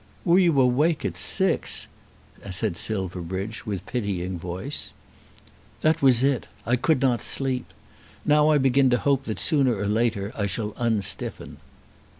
"Were you awake at six?" said Silverbridge, with pitying voice. "That was it. I could not sleep. Now I begin to hope that sooner or later I shall unstiffen."